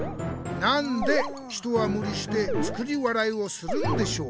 なんで人はむりして『作り笑い』をするんでしょう？」。